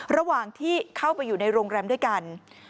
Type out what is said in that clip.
ระหว่างที่เข้าไปอยู่ในโรงแรมด้วยกัน